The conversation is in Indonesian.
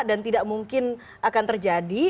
dan tidak mungkin akan terjadi